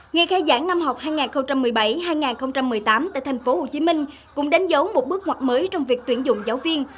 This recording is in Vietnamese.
ngày khai giảng năm học hai nghìn một mươi bảy hai nghìn một mươi tám tại tp hcm cũng đánh dấu một bước ngoặt mới trong việc tuyển dụng giáo viên